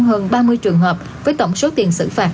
hơn ba mươi trường hợp với tổng số tiền xử phạt